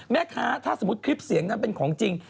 แม่ค้าถ้าสมมุติคลิปเสียงนั้นเป็นของจริง